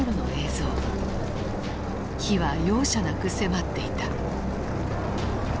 火は容赦なく迫っていた。